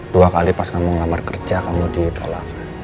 dua kali pas kamu ngamar kerja kamu ditolak